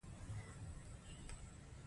دا توافق د عام عقل پر بنسټ ترسره کیږي.